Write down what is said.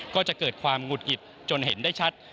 ก็จะเกิดความหงุดหงิดจนเห็นได้ชัด